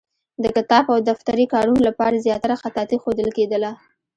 د کتابت او دفتري کارونو لپاره زیاتره خطاطي ښودل کېدله.